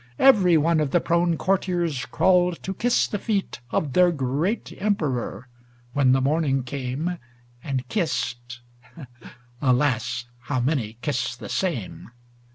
Every one Of the prone courtiers crawled to kiss the feet Of their great emperor when the morning came. And kissed ŌĆö alas, how many kiss the same